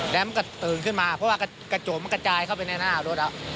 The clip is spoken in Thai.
แล้วมันก็ตื่นขึ้นมาเพราะว่ากระจกมันกระจายเข้าไปในหน้ารถ